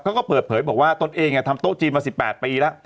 เขาก็เปิดเผยบอกว่าตนเองทำโต๊ะจีนมา๑๘ปีแล้ว